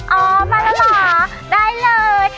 เอามาแล้วหรอได้เลย